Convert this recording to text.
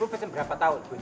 kau pesen berapa tahun bu